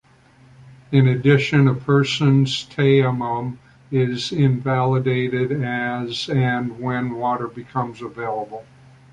In addition, a person's "tayammum" is invalidated as and when water becomes available.